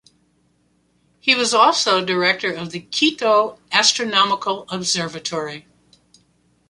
He was also director of the Quito Astronomical Observatory.